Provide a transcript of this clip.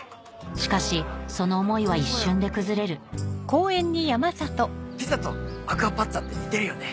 しかしその思いは一瞬で崩れるピザとアクアパッツァって似てるよね。